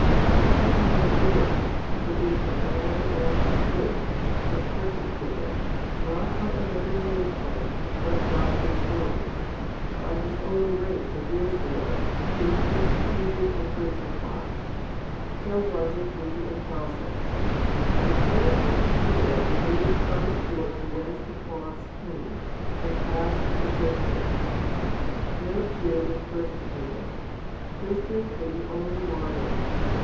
You see how the Lord, who is the Way and the Truth, was persecuted, not by another nation, but by His own. By His own race of Israel He was persecuted and crucified. So was it with the apostles. The Paraclete Spirit removed from the quarter whence the cross came, and passed to the Chris tians. No Jew was persecuted ; Christians were the only martyrs.